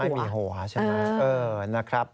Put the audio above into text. ไม่มีหัวใช่ไหมนะครับ